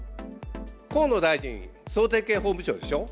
河野大臣、総点検本部長でしょ？